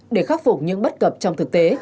để khắc phục những bất cập trong thực tế